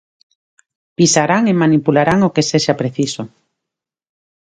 Pisarán e manipularán o que sexa preciso.